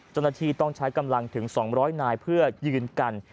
เจ้าหน้าที่ต้องใช้กำลังถึง๒๐๐นายเพื่อยืนกัน